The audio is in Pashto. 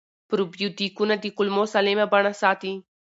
پروبیوتیکونه د کولمو سالمه بڼه ساتي.